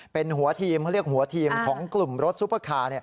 เป็นหัวทีมเขาเรียกหัวทีมของกลุ่มรถซุปเปอร์คาร์